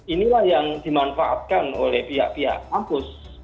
inilah yang dimanfaatkan oleh pihak pihak kampus